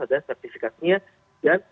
ada sertifikasinya dan